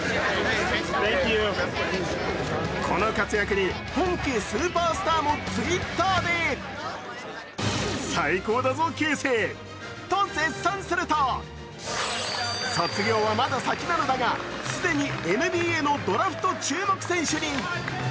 この活躍に本家・スーパースターもＴｗｉｔｔｅｒでと、絶賛すると卒業はまだ先なのだが既にＮＢＡのドラフト注目選手に。